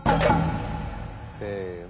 せの。